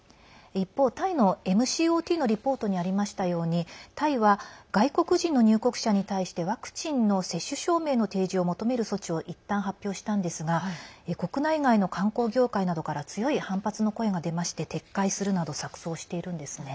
一方、タイのＭＣＯＴのリポートにもありましたようにタイは外国人の入国者に対してワクチンの接種証明の提示を求める措置をいったん発表したんですが国内外の観光業界などから強い反発の声が出まして撤回するなど錯そうしているんです。